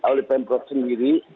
oleh pemprov sendiri